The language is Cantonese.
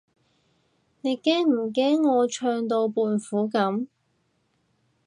你唔驚我唱到胖虎噉？